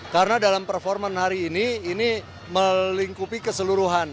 karena dalam performer hari ini ini melingkupi keseluruhan